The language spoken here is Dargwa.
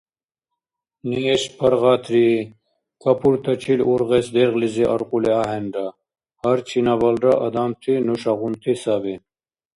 Неш, паргъатрии! Капуртачил ургъес дергълизи аркьули ахӀенра. Гьар чинабалра адамти нушагъунти саби.